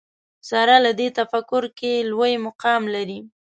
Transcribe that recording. سره له دې تفکر کې لوی مقام لري